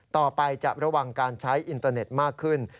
ต่อไปจะระวังการใช้อินเตอร์เน็ตมากขึ้น